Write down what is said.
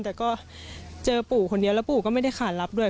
แต่ก็เจอปู่คนเดียวแล้วปู่ก็ไม่ได้ขาดรับด้วย